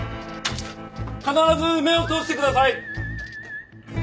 必ず目を通してください！